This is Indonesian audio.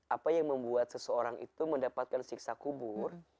apa yang membuat seseorang itu mendapatkan siksa kubur